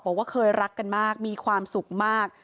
บอกว่าเคยรักกันมากมีความสุขมาก